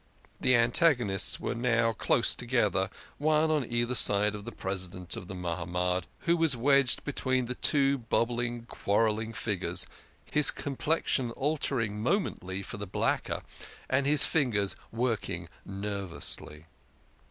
The antagonists were now close together, one on either side of the President of the Mahamad, who was wedged between the two bobbing, quarrelling figures, his complexion altering momently for the blacker, and his fingers working nervously.